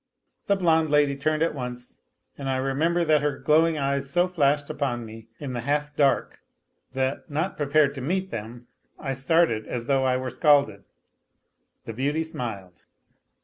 The blonde lady turned at once, and I remember that her glowing eyes so flashed upon me in the half dark, that, not pre pared to meet them, I started as though I were scalded. The beauty smiled.